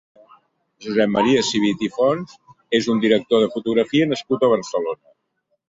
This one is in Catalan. Josep Maria Civit i Fons és un director de fotografia nascut a Barcelona.